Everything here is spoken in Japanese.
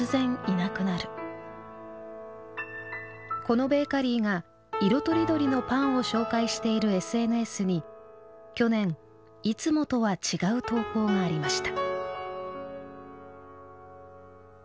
このベーカリーが色とりどりのパンを紹介しているＳＮＳに去年いつもとは違う投稿がありました。